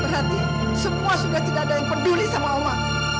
berarti semua sudah tidak ada yang peduli sama allah